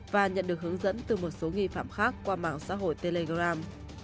và nhận được hướng dẫn từ một số nghi phạm khác qua mạng xã hội telegram